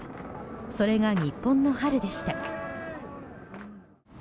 それが日本の春でした。